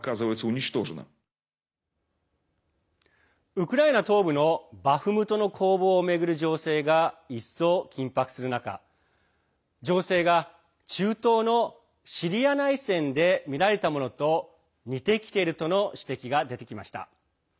ウクライナ東部のバフムトの攻防を巡る情勢が一層、緊迫する中情勢が、中東のシリア内戦で見られたものと似てきているとの指摘が出てきました。